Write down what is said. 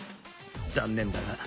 残念だが。